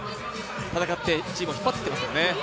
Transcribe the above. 戦って、チームを引っ張ってきていますよね。